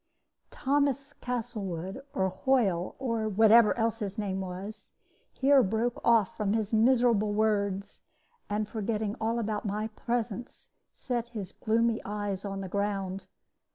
Thomas Castlewood, or Hoyle, or whatever else his name was, here broke off from his miserable words, and, forgetting all about my presence, set his gloomy eyes on the ground.